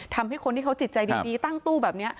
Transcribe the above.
ทำให้คนที่เขาจิตใจดีตั้งตู้แบบนี้